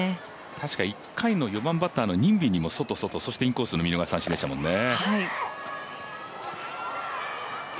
確か、１回の４番バッターの任敏にも外、外、そしてインコースの見逃し三振でしたもんね。